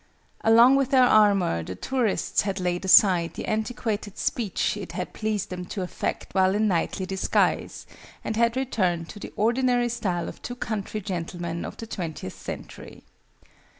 Along with their armour, the tourists had laid aside the antiquated speech it had pleased them to affect while in knightly disguise, and had returned to the ordinary style of two country gentlemen of the Twentieth Century.